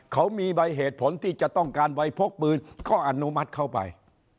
เขามีใบเหตุผลที่จะต้องการใบพกปืนก็อนุมัติเข้าไป